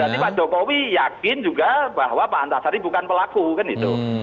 berarti pak jokowi yakin juga bahwa pak antasari bukan pelaku kan itu